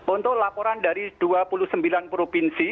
untuk laporan dari dua puluh sembilan provinsi